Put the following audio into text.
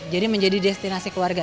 jadi menjadi destinasi keluarga